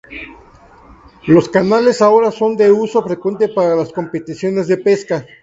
Los canales ahora son de uso frecuente para las competiciones de pesca.